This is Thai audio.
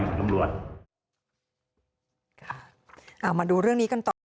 สวัสดีครับคุณผู้ชาย